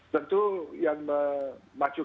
tentu yang memacu